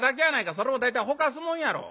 それも大体ほかすもんやろ。